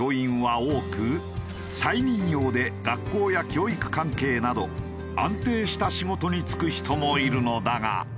再任用で学校や教育関係など安定した仕事に就く人もいるのだが。